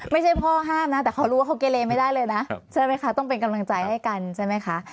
ไม่ใช่พ่อห้ามนะแต่เขารู้ว่าเขาเกเลไม่ได้เลยนะใช่ไหมคะต้องเป็นกำลังใจให้กันใช่ไหมคะ